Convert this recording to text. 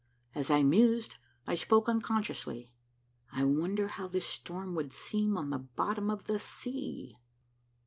As I mused, I spoke unconsciously. "I wonder how this storm would seem on the bottom of the sea."